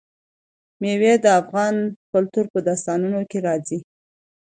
مېوې د افغان کلتور په داستانونو کې راځي.